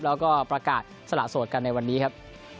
แล้วก็ประกาศสละโสดกันในวันนี้ครับ